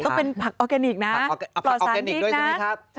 ก็เป็นผักออร์แกนิคนะผลสารพริกนะ